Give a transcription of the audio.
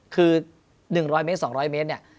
คือ๑๐๐เมตร๒๐๐เมตรเนี่ย